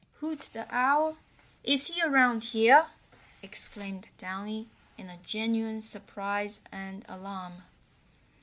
"Hoot the Owl! Is he around here?" exclaimed Downy, in genuine surprise and alarm.